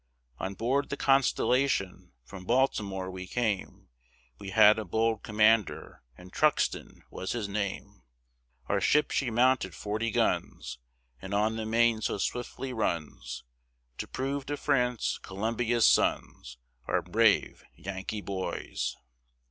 On board the Constellation, from Baltimore we came, We had a bold commander and Truxton was his name! Our ship she mounted forty guns, And on the main so swiftly runs, To prove to France Columbia's sons Are brave Yankee boys.